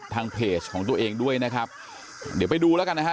ทางเพจของตัวเองด้วยนะครับเดี๋ยวไปดูแล้วกันนะฮะ